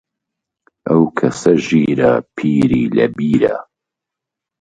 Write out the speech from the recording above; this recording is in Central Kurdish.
ئەو کەسە ژیرە، پیری لە بیرە